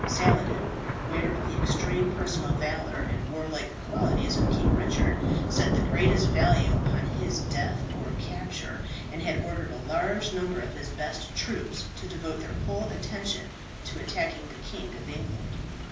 Saladin, aware of the extreme personal valour and warlike qualities of King Richard, set the greatest value upon his death or capture, and had ordered a large number of his best troops to devote their whole attention to attacking the King of England.